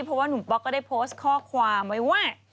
เพราะว่านุ่มป๊อกก็ได้โพสต์ข้อความไว้ว่า